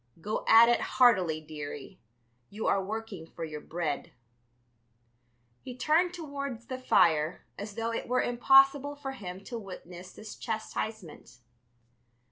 Go at it heartily, dearie; you are working for your bread." He turned towards the fire, as though it were impossible for him to witness this chastisement.